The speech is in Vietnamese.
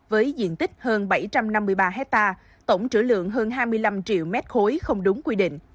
với diện tích hơn bảy trăm năm mươi ba ha tổng trữ lượng hơn hai mươi năm triệu m ba không đúng quy định